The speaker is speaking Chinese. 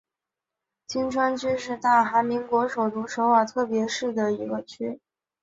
衿川区是大韩民国首都首尔特别市的一个区。